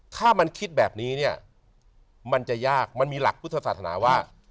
ถ้ามันคิดแบบนี้เนี่ยมันจะยากมันมีหลักพุทธศาสนาว่า